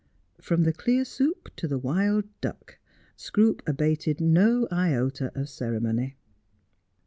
From the clear soup to the wild duck Scroope abated no iota of ceremony.